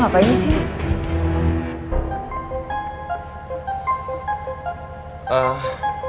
apaan ini sih